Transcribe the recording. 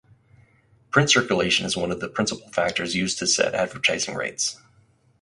Print circulation is one of the principal factors used to set advertising rates.